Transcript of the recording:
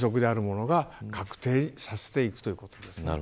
今推測であるものを確定させていくということです。